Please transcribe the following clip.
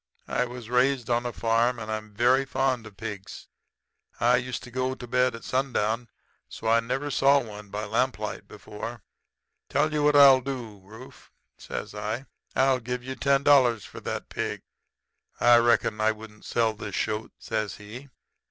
I was raised on a farm, and I'm very fond of pigs. I used to go to bed at sundown, so I never saw one by lamplight before. Tell you what I'll do, Rufe,' I says. 'I'll give you ten dollars for that pig.' "'I reckon I wouldn't sell this shoat,' says he.